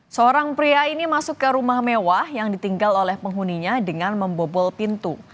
seorang pria ini masuk ke rumah mewah yang ditinggal oleh penghuninya dengan membobol pintu